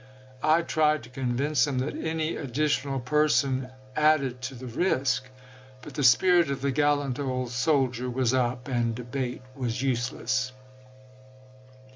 I tried to convince him that any additional person added to the risk ; but the spirit of the gallant old soldier was up, and debate was useless.